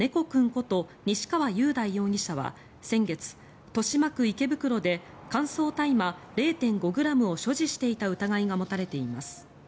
こと西川雄大容疑者は先月豊島区池袋で乾燥大麻０．５ｇを所持していた疑いが持たれています。